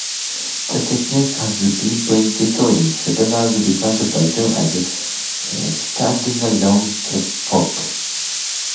The sequence has been printed in several different versions as standalone chapbooks.